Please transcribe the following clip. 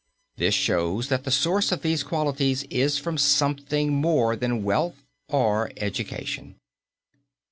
This shows that the source of these qualities is from something more than wealth or education.